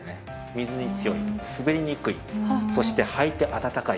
水に強い滑りにくいそして履いてあたたかい。